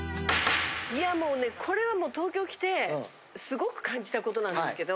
いやもうねこれはもう東京来てすごく感じたことなんですけど。